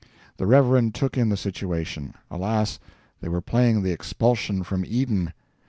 The Reverend took in the situation alas, they were playing the Expulsion from Eden!